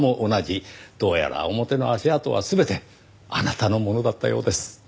どうやら表の足跡は全てあなたのものだったようです。